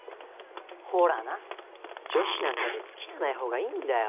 ほらな女子なんかと付き合わない方がいいんだよ。